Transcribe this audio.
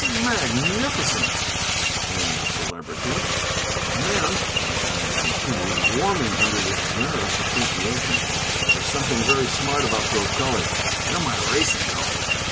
"Magnificent!" exclaimed the Celebrity. "And then," my client continued, warming under this generous appreciation, "there's something very smart about those colors. They're my racing colors.